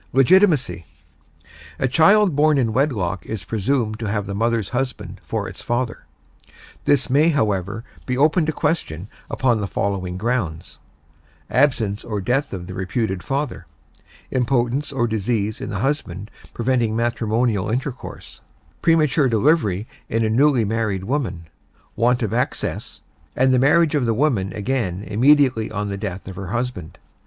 LEGITIMACY A child born in wedlock is presumed to have the mother's husband for its father. This may, however, be open to question upon the following grounds: Absence or death of the reputed father; impotence or disease in the husband preventing matrimonial intercourse; premature delivery in a newly married woman; want of access; and the marriage of the woman again immediately on the death of her husband.